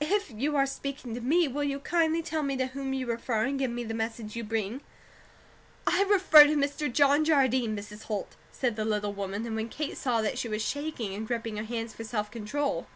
"If you are speaking to me, will you kindly tell me to whom you refer, and give me the message you bring?" said Kate. "I refer to Mr. John Jardine, Mrs. Holt," said the little woman and then Kate saw that she was shaking, and gripping her hands for self control.